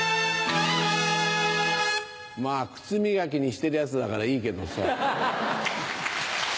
まぁ靴磨きにしてるやつだからいいけどさ。